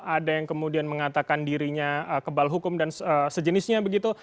ada yang kemudian mengatakan dirinya kebal hukum dan sejenisnya begitu